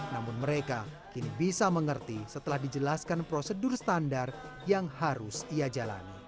namun mereka kini bisa mengerti setelah dijelaskan prosedur standar yang harus ia jalani